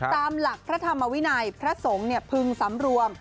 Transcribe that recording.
ตามหลักพระธรรมวินัยพระสงฆ์พึงสำรวม